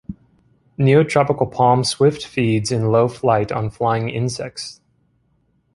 Neotropical palm swift feeds in low flight on flying insects.